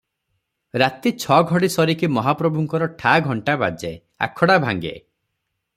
ରାତି ଛଅ ଘଡ଼ି ସରିକି ମହାପ୍ରଭୁଙ୍କ ଠା ଘଣ୍ଟା ବାଜେ, ଆଖଡା ଭାଙ୍ଗେ ।